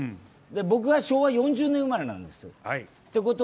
僕は昭和４０年生まれなんです。